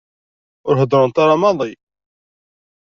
Ur heddrent ara maḍi.